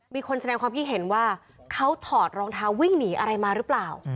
มีคนแสดงความคิดเห็นว่าเขาถอดรองเท้าวิ่งหนีอะไรมาหรือเปล่า